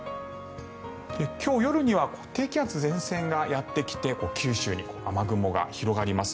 今日夜には低気圧前線がやってきて九州に雨雲が広がります。